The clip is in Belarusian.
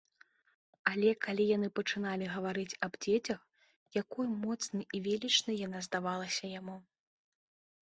Але калі яны пачыналі гаварыць аб дзецях, якой моцнай і велічнай яна здавалася яму.